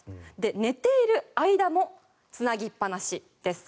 寝ている間もつなぎっぱなしです。